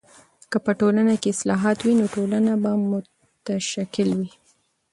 که په تعلیم کې اصلاحات وي، نو ټولنه به متشکل وي.